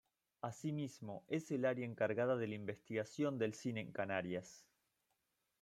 Así mismo, es el área encargada de la investigación del cine en Canarias.